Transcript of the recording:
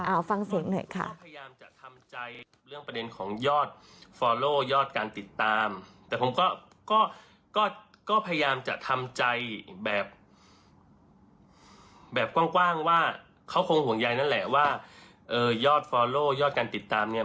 เอาฟังเสียงหน่อยค่ะ